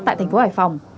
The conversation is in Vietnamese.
tại thành phố hải phòng